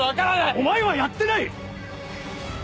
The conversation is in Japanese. お前はやってない！